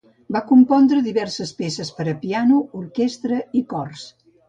Va compondre diverses peces per a piano, orquestra i cors.